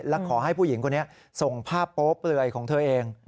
และขอให้ผู้หญิงคนนี้ส่งภาพโป๊เปลือยของเธอเอง